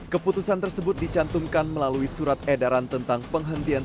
keputusan tersebut dicantumkan melalui surat edaran tentang penghentian